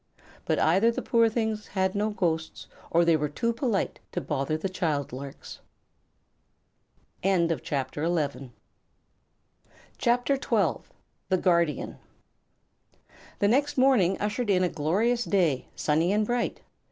But either the poor things had no ghosts or they were too polite to bother the little child larks. [CHAPTER XII] The Guardian The next morning ushered in a glorious day, sunny and bright.